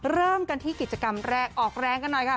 เริ่มกันที่กิจกรรมแรกออกแรงกันหน่อยค่ะ